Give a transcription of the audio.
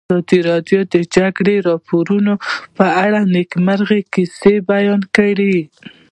ازادي راډیو د د جګړې راپورونه په اړه د نېکمرغۍ کیسې بیان کړې.